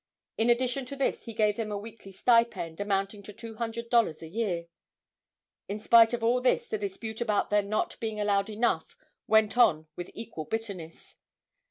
In addition to this he gave them a weekly stipend, amounting to $200 a year. In spite of all this the dispute about their not being allowed enough went on with equal bitterness.